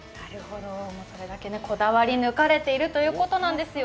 それだけこだわり抜かれているということなんですよ。